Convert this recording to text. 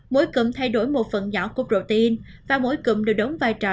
mỗi cụm thay đổi một phần nhỏ của protein và mỗi cụm đều đóng vai trò